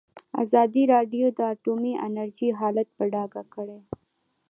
ازادي راډیو د اټومي انرژي حالت په ډاګه کړی.